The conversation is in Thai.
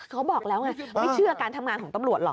เขาบอกแล้วไงไม่เชื่อการทำงานของตำรวจหรอก